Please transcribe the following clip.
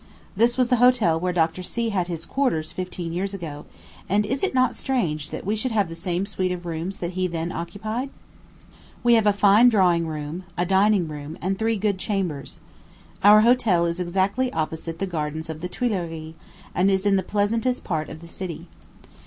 This was the hotel where Dr. C. had his quarters, fifteen years ago; and is it not strange that we have the same suite of rooms that he then occupied? We have a fine drawing room, a dining room, and three good chambers. Our hotel is exactly opposite the gardens of the Tuileries, and is in the pleasantest part of the city.